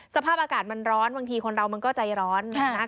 สภาพอากาศมันร้อนบางทีคนเรามันก็ใจร้อน